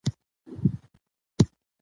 هغه ټولنه چې قانون ومني، ثبات تجربه کوي.